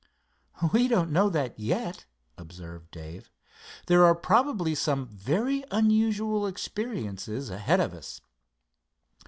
"We don't know that yet," observed Dave. "There are probably some very unusual experiences ahead of us."